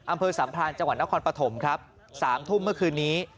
อำเภอสัมพรานจังหวัดนครปฐมครับ๓ทุ่มเมื่อคืนนี้